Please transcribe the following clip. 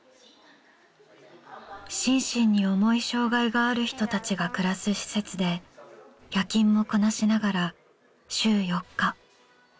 心身に重い障がいがある人たちが暮らす施設で夜勤もこなしながら週４日。